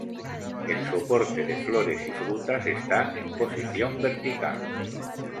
El soporte de flores y frutas está en posición vertical.